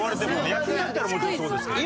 野球だったらもちろんそうですけど。